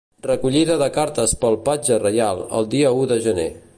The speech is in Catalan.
Recollida de cartes pel Patge Reial, el dia u de gener.